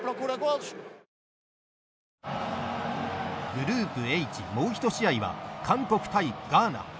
グループＨ、もう１試合は韓国対ガーナ。